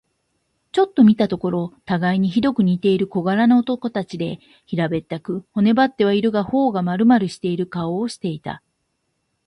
ちょっと見たところ、たがいにひどく似ている小柄な男たちで、平べったく、骨ばってはいるが、頬がまるまるしている顔をしていた。